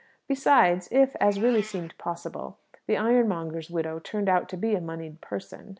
Besides, if, as really seemed possible, the ironmonger's widow turned out to be a moneyed person